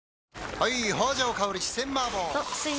・はい！